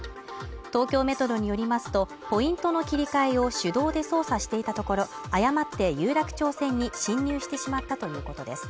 東京メトロによりますと、ポイントの切り替えを手動で操作していたところ、誤って有楽町線に進入してしまったということです。